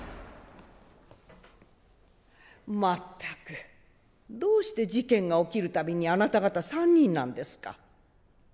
まったくどうして事件が起きる度にあなた方３人なんですか